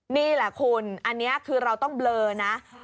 นี่แหละคุณอันนี้คือเราต้องเบลอนะ